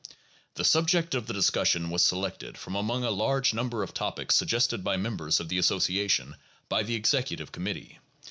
The subject of the discussion was selected, from among a large number of topics suggested by members of the Association, by the Executive Committee.